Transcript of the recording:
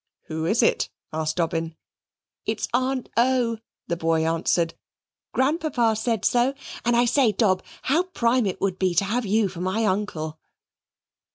"Who is it?" asked Dobbin. "It's Aunt O.," the boy answered. "Grandpapa said so. And I say, Dob, how prime it would be to have you for my uncle."